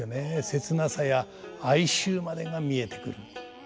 切なさや哀愁までが見えてくる。